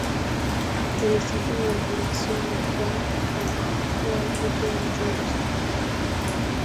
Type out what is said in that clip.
El estilo de dirección de Wong Kar-wai requiere mucho de los actores.